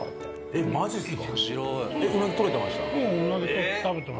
えっマジっすか。